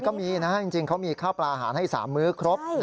ก็มีนะฮะจริงเขามีข้าวปลาอาหารให้๓มื้อครบ